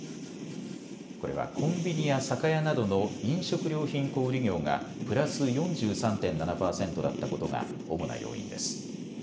これはコンビニや酒屋などの飲食料品小売業がプラス４３．７％だったことが主な要因です。